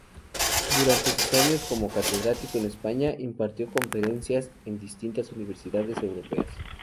Durante sus años como catedrático en España impartió conferencias en distintas universidades europeas.